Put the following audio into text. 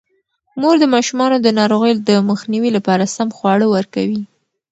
مور د ماشومانو د ناروغۍ د مخنیوي لپاره سم خواړه ورکوي.